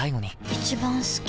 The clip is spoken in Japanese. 一番好き